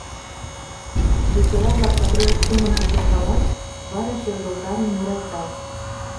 Весела-влак патриот семын кутыркалат, вара шергылтарен муралтат.